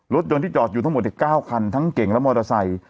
รถยนต์ที่จอดอยู่ทั้งหมด๙คันทั้งเก่งและมอเตอร์ไซค์